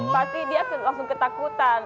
pasti dia langsung ketakutan